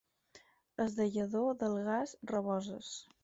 Els de Lledó d'Algars, raboses.